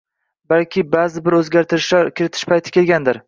balki ba’zi bir o‘zgartirishlar kiritish payti kelgandir.